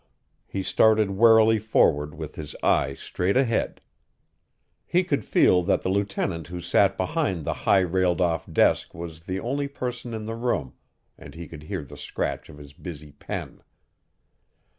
He started warily forward with his eyes straight ahead. He could feel that the lieutenant who sat behind the high railed off desk was the only person in the room and he could hear the scratch of his busy pen.